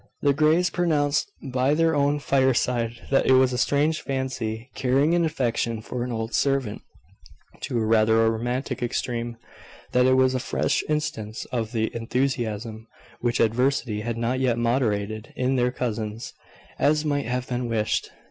The Greys pronounced by their own fireside that it was a strange fancy carrying an affection for an old servant to a rather romantic extreme that it was a fresh instance of the "enthusiasm" which adversity had not yet moderated in their cousins, as might have been wished.